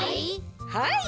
はい。